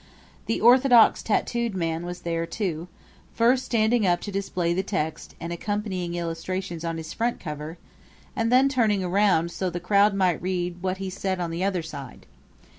The orthodox tattooed man was there, too, first standing up to display the text and accompanying illustrations on his front cover, and then turning round so the crowd might read what he said on the other side.